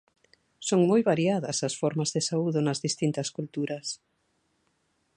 Son moi variadas as formas de saúdo nas distintas culturas.